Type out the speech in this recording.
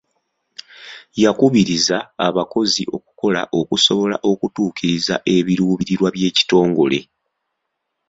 Yakubiriza abakozi okukola okusobola okutuukiriza ebiruubirirwa by'ekitongole.